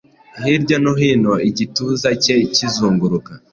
Hirya no hino igituza cye kizunguruka